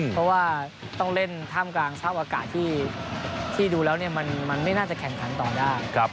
เพราะว่าต้องเล่นท่ามกลางสภาพอากาศที่ดูแล้วมันไม่น่าจะแข่งขันต่อได้